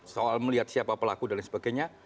soal melihat siapa pelaku dan lain sebagainya